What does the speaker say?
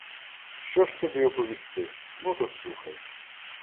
— Що ж тобі оповісти? Ну то слухай.